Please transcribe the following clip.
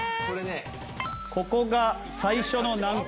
ここが最初の難関。